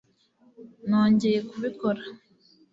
nongeye kubikora